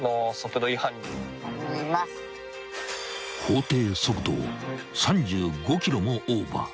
［法定速度を３５キロもオーバー］